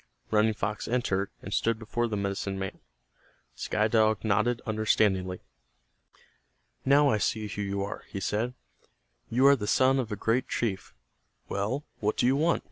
Running Fox entered, and stood before the medicine man. Sky Dog nodded understandingly. "Now I see who you are," he said, "You are the son of a great chief. Well, what do you want?"